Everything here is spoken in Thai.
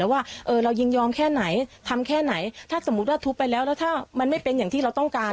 ว่าเรายินยอมแค่ไหนทำแค่ไหนถ้าสมมุติว่าทุบไปแล้วแล้วถ้ามันไม่เป็นอย่างที่เราต้องการ